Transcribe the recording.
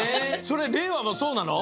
それれいわもそうなの？